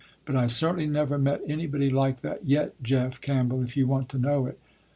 But I certainly never met anybody like that yet, Jeff Campbell, if you want to know it."